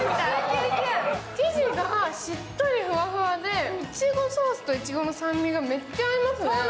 生地がしっとりふわふわでいちごソースといちごの酸味がめっちゃ合いますね。